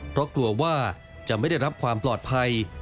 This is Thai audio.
เพราะกลัวว่าจะไม่ได้รับความปลอดภัย